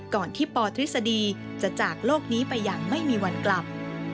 ก่อนที่ปทฤษฎีจะจากโลกนี้ไปอย่างไม่มีวันกลับ